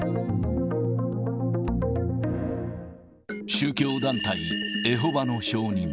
宗教団体エホバの証人。